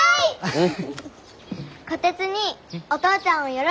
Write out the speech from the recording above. うん。